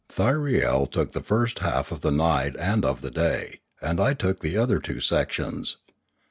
Thyriel took the first half of the night and of the day, and I took the other two sections.